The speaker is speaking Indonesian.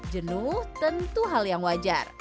jenuh tentu hal yang wajar